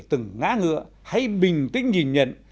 từng ngã ngựa hãy bình tĩnh nhìn nhận